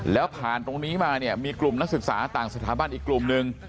แล้วผ่านตรงนี้มาเนี่ยมีกลุ่มนักศึกษาต่างสถาบันอีกกลุ่มหนึ่ง